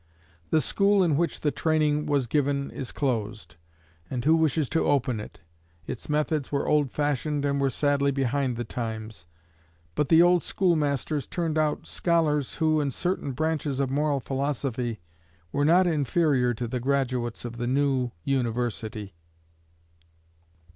The school in which the training was given is closed, and who wishes to open it? Its methods were old fashioned and were sadly behind the times, but the old schoolmasters turned out scholars who, in certain branches of moral philosophy, were not inferior to the graduates of the new university.